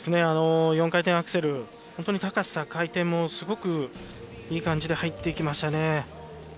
４回転アクセル高さ、回転もすごくいい感じで入っていきましたね。